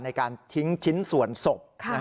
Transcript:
ในการทิ้งชิ้นส่วนศพ